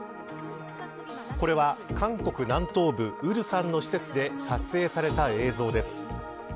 これは、韓国南東部蔚山の施設で撮影された映像です。